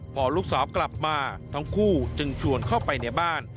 พอลูกสาวกลับมาทั้งคู่จึงชวนเข้าไปในบ้าน